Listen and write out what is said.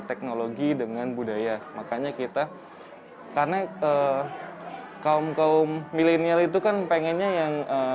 teknologi dengan budaya makanya kita karena kaum kaum milenial itu kan pengennya yang